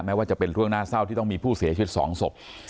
ว่าจะเป็นเรื่องน่าเศร้าที่ต้องมีผู้เสียชีวิต๒ศพ